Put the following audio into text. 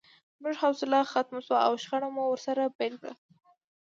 زموږ حوصله ختمه شوه او شخړه مو ورسره پیل کړه